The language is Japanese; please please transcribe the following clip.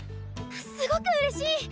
すごくうれしい！